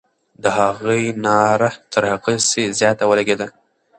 د هغې ناره تر غسي زیاته ولګېده.